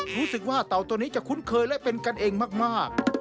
รู้สึกว่าเต่าตัวนี้จะคุ้นเคยและเป็นกันเองมาก